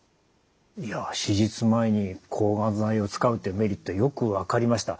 いや手術前に抗がん剤を使うというメリットよく分かりました。